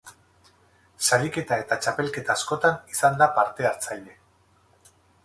Sariketa eta txapelketa askotan izan da parte hartzaile.